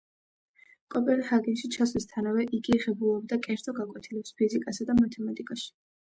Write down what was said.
კოპენჰაგენში ჩასვლისთანავე იგი ღებულობდა კერძო გაკვეთილებს ფიზიკასა და მათემატიკაში.